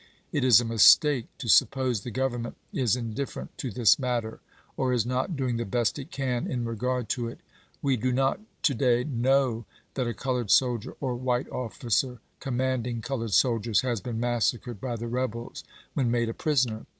It is a mistake to suppose the Governmeut is indif ferent to this matter, or is not doing the best it can in regard to it. "We do not to day linoiv that a colored sol dier, or white officer commanding colored soldiers, has been massacred by the rebels when made a prisoner.